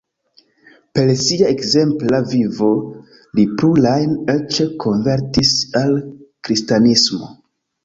Per sia ekzempla vivo li plurajn eĉ konvertis al kristanismo.